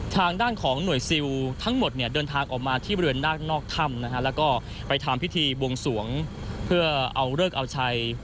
ทางด้านของหน่วยซิลทั้งหมดเนี่ยเดินทางออกมาที่บริเวณหน้านอกถ้ำนะฮะแล้วก็ไปทำพิธีบวงสวงเพื่อเอาเลิกเอาชัย